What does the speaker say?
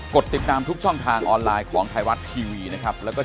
ดติดตามทุกช่องทางออนไลน์ของไทยรัฐทีวีนะครับแล้วก็